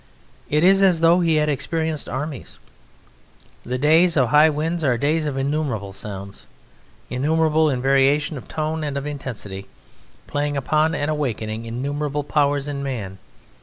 It is as though he had experienced armies. The days of high winds are days of innumerable sounds, innumerable in variation of tone and of intensity, playing upon and awakening innumerable powers in man.